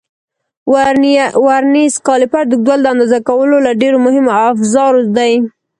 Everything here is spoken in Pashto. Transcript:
ورنیز کالیپر د اوږدوالي د اندازه کولو له ډېرو مهمو افزارو دی.